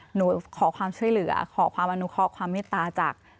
หนูขอความช่วยเหลือขอความอนุคอความมิตราจาก